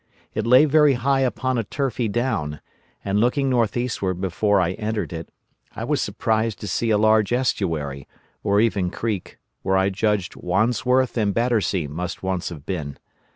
It lay very high upon a turfy down, and looking north eastward before I entered it, I was surprised to see a large estuary, or even creek, where I judged Wandsworth and Battersea must once have been.